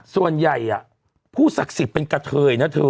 ส่วนใหญ่ผู้ศักดิ์สิทธิ์เป็นกะเทยนะเธอ